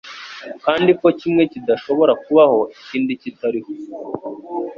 kandi ko kimwe kidashobora kubaho ikindi kitariho: